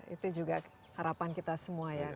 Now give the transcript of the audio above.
itu juga harapan kita semua untuk berharap